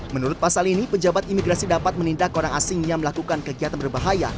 menurut pasal ini pejabat imigrasi dapat menindak orang asing yang melakukan kegiatan berbahaya